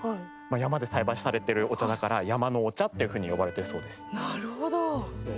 山で育てられているお茶だから山のお茶っていうふうに呼ばれているそうです。